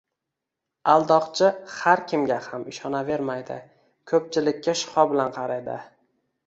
Aldoqchi har kimga ham ishonavermaydi, ko‘pchilikka shubha bilan qaraydi.